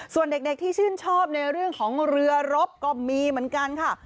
ส่วนเด็กที่ชื่นชอบในเรื่องของเรือรบก็มีเหมือนกันค่ะ